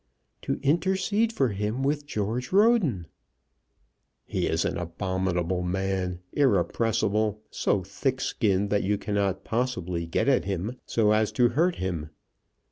"To intercede for him with George Roden." "He is an abominable man, irrepressible, so thick skinned that you cannot possibly get at him so as to hurt him.